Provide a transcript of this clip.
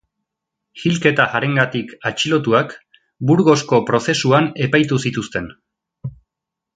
Hilketa harengatik atxilotuak Burgosko Prozesuan epaitu zituzten.